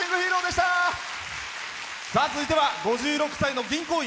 続いては５６歳の銀行員。